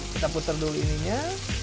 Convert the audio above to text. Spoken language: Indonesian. kita putar dulu ininya